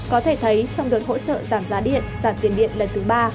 có thể thấy trong đợt hỗ trợ giảm giá điện giảm tiền điện lần thứ ba